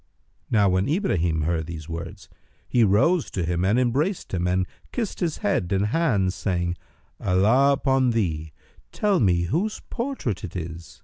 Now when Ibrahim heard these words, he rose to him and embraced him and kissed his head and hands, saying, "Allah upon thee, tell me whose portrait it is!"